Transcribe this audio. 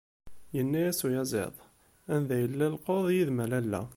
Yenna-as uyaziḍ. "Anda yella llqeḍ yid-m a lalla?"